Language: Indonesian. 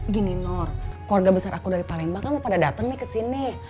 gini nur keluarga besar aku dari palembang gak mau dateng kesini